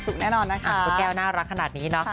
ทำนองพร้อมทำทุกสิ่งทุกอย่าง